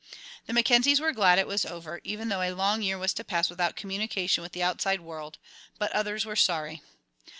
The Mackenzies were glad it was over, even though a long year was to pass without communication with the outside world, but others were sorry.